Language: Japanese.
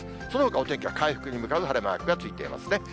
そのほか、お天気は回復に向かう晴れマークがついていますね。